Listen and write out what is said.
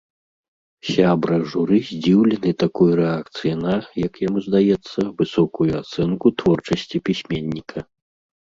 Сябра журы здзіўлены такой рэакцыі на, як яму здаецца, высокую ацэнку творчасці пісьменніка.